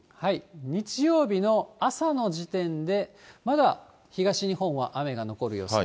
日曜日の朝の時点でまだ、東日本は雨が残る予想。